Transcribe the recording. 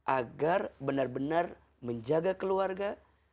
agar benar benar menjaga keluarga